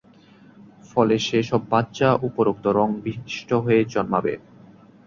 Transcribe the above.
ফলে সে সব বাচ্চা উপরোক্ত রং-বিশিষ্ট হয়ে জন্মাবে।